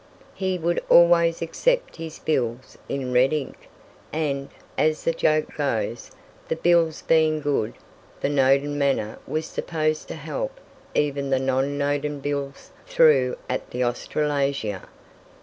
He would always accept his bills in red ink, and, as the joke goes, the bills being good, the Nodin manner was supposed to help even the non Nodin bills through at the "Australasia."